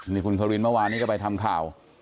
นี่คุณควินเมื่อวานนี้ก็ไปทำข่าว